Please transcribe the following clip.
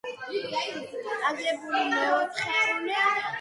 აგებული მეოთხეული ალუვიური ნაფენებით.